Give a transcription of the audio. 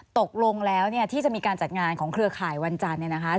ตกลงแล้วที่จะมีการจัดงานของเครือข่ายวันจันทร์